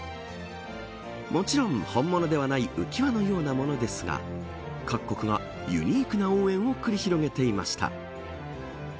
もちろん本物ではない浮輪のようなものですが各国がユニークな応援を繰り広げていました。